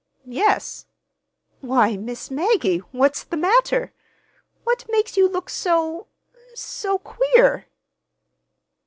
"Yes. Why, Miss Maggie, what's the matter? What makes you look so—so queer?"